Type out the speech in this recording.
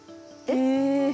えっ！？